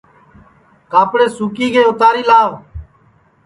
کاپڑے سُکی گے اُتاری لاو